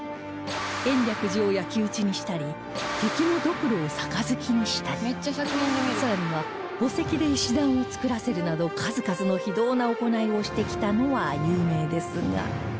延暦寺を焼き打ちにしたり敵のドクロを杯にしたりさらには墓石で石段を造らせるなど数々の非道な行いをしてきたのは有名ですが